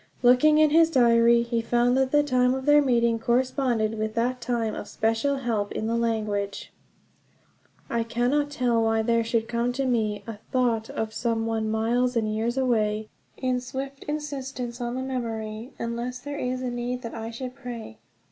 Looking in his diary, he found that the time of their meeting corresponded with that time of special help in the language. "I cannot tell why there should come to me A thought of some one miles and years away, In swift insistence on the memory, Unless there is a need that I should pray.